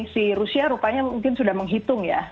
si rusia rupanya mungkin sudah menghitung ya